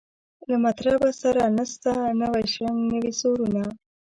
له مطربه سره نسته نوی شرنګ نوي سورونه